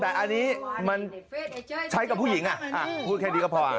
แต่อันนี้มันใช้กับผู้หญิงพูดแค่นี้ก็พอ